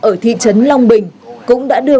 ở thị trấn long bình cũng đã đưa